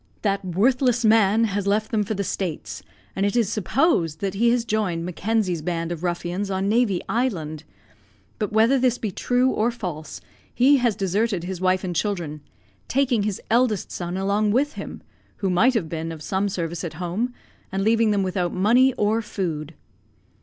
That worthless man has left them for the States, and it is supposed that he has joined Mackenzie's band of ruffians on Navy Island; but whether this be true or false, he has deserted his wife and children, taking his eldest son along with him (who might have been of some service at home), and leaving them without money or food."